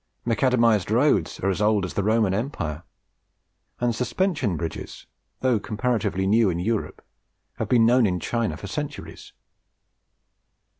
Macadamized roads are as old as the Roman empire; and suspension bridges, though comparatively new in Europe, have been known in China for centuries.